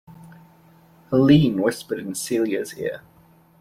Helene whispered in Celia's ear.